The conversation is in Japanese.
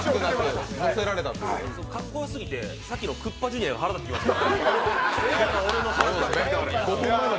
かっこよすぎてさっきのクッパＪｒ．が腹立ってきました。